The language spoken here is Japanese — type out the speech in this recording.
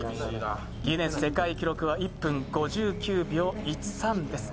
ギネス世界記録は１分５９秒１３です。